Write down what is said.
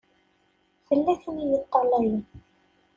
Tella tin i yeṭṭalayen.